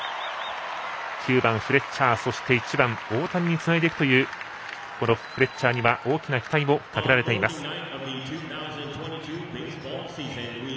９番、フレッチャー１番、大谷につないでいくというフレッチャーには大きな期待もかけられています。